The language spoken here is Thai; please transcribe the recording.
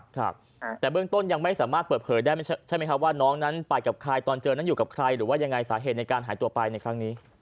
ครับแต่เบื้องต้นยังไม่สามารถเปิดเผยได้ใช่ไหมครับว่าน้องนั้นไปกับใครตอนเจอนั้นอยู่กับใครหรือว่ายังไงสาเหตุในการหายตัวไปในครั้งนี้